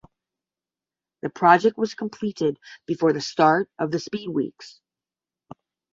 The project was completed before the start of Speedweeks.